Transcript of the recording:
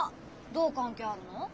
どう関係あるの？